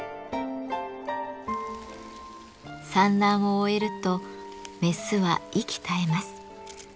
産卵を終えるとメスは息絶えます。